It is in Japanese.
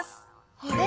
あれ？